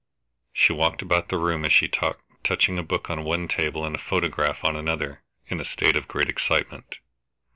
She walked about the room as she talked, touching a book on one table and a photograph on another, in a state of great excitement.